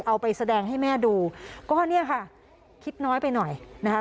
เอาไปแสดงให้แม่ดูก็เนี่ยค่ะคิดน้อยไปหน่อยนะคะ